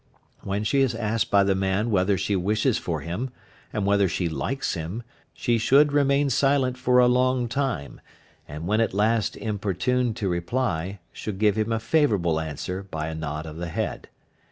When she is asked by the man whether she wishes for him, and whether she likes him, she should remain silent for a long time, and when at last importuned to reply, should give him a favourable answer by a nod of the head.